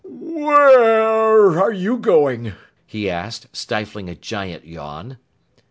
"Where are you going?" he asked, stifling a giant yawn.